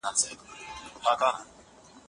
احتکار کوونکي اوس خپل توکي پټوي.